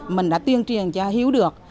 mình đã tuyên truyền cho hiểu được